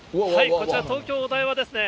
こちら、東京・お台場ですね。